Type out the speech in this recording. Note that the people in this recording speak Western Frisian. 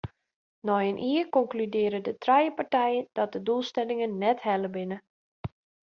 Nei in jier konkludearje de trije partijen dat de doelstellingen net helle binne.